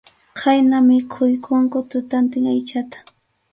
Khayna mikhuykunku tutantin aychata.